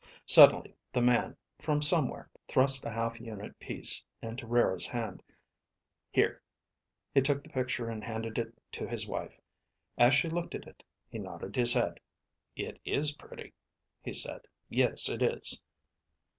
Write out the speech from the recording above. Suddenly the man, from somewhere, thrust a half unit piece into Rara's hand. "Here." He took the picture and handed it to his wife. As she looked at it, he nodded his head. "It is pretty," he said. "Yes. It is."